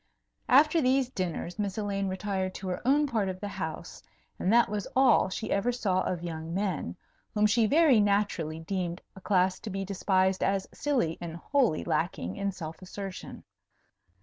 After these dinners, Miss Elaine retired to her own part of the house; and that was all she ever saw of young men, whom she very naturally deemed a class to be despised as silly and wholly lacking in self assertion.